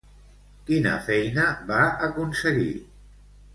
Quina feina va aconseguir?